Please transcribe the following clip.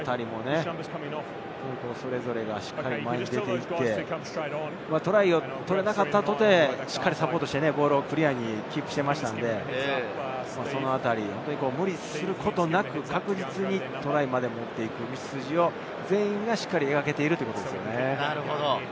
それぞれが前に出て行って、トライを取れなかったとて、しっかりサポートしてボールをクリアにキープしていましたので、無理することなく、確実にトライまで持っていく道筋を全員がしっかり描けているということですよね。